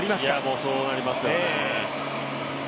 もうそうなりますよね。